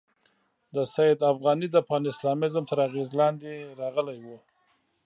د سید افغاني د پان اسلامیزم تر اغېزې لاندې راغلی وو.